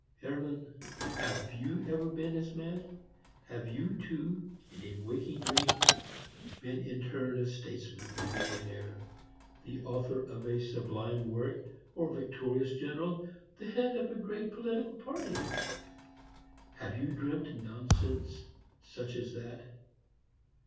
Hermann, have you ever been as mad? Have you, too, in a waking dream, been in turn a statesman, a millionaire, the author of a sublime work, a victorious general, the head of a great political party? Have you dreamt nonsense such as that?